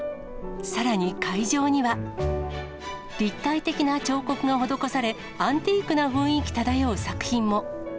さらに会場には、立体的な彫刻が施され、アンティークな雰囲気漂う作品も。